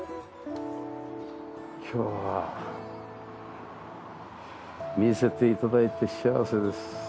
今日は見せて頂いて幸せです。